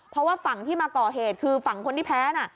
เพราะว่าฝั่งที่มาก่อเหตุคือฝั่งคนที่แพ้น่ะ